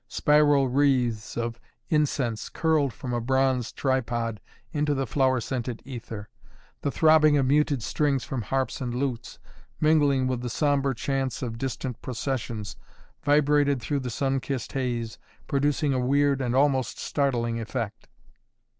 Spiral wreaths of incense curled from a bronze tripod into the flower scented ether. The throbbing of muted strings from harps and lutes, mingling with the sombre chants of distant processions, vibrated through the sun kissed haze, producing a weird and almost startling effect.